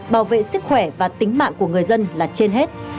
bảo vệ sức khỏe và tính mạng của người dân là trên hết